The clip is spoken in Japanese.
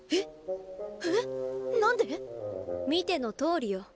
見てのとおりよ。